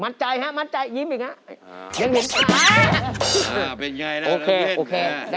มัดใจฮะยิ้มอีก